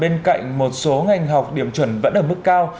bên cạnh một số ngành học điểm chuẩn vẫn ở mức cao